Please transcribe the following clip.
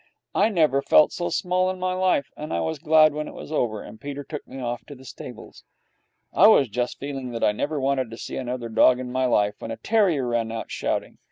I never felt so small in my life, and I was glad when it was over and Peter took me off to the stables. I was just feeling that I never wanted to see another dog in my life, when a terrier ran out, shouting.